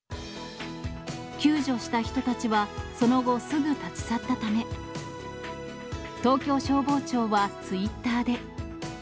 救助した人たちは、その後、すぐ立ち去ったため、東京消防庁はツイッターで。